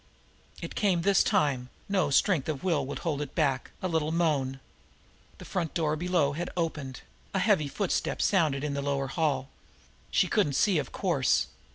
It came this time, no strength of will would hold it back, a little moan. The front door below had opened, a heavy footstep sounded in the lower hall. She couldn't see, of course.